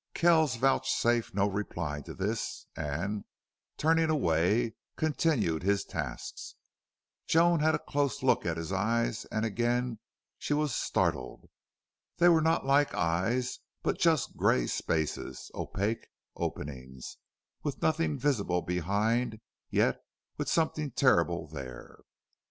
Kells vouchsafed no reply to this and, turning away, continued his tasks. Joan had a close look at his eyes and again she was startled. They were not like eyes, but just gray spaces, opaque openings, with nothing visible behind, yet with something terrible there.